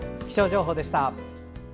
気象情報でした。